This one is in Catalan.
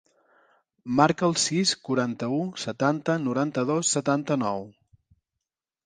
Marca el sis, quaranta-u, setanta, noranta-dos, setanta-nou.